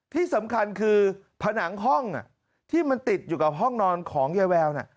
ที่สำคัญคือผนังห้องที่มันติดอยู่กับห้องนอนของยายแววน่ะ